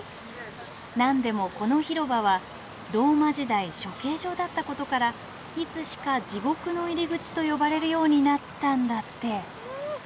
何でもこの広場はローマ時代処刑場だったことからいつしか地獄の入り口と呼ばれるようになったんだって。